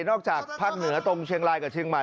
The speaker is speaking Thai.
จากภาคเหนือตรงเชียงรายกับเชียงใหม่